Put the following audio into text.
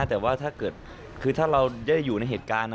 แต่ว่าถ้าเราจะอยู่ในเหตุการณ์